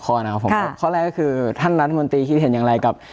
ข้อแรกก็คือท่านรัฐมนตรีคิดเห็นอย่างไรกับ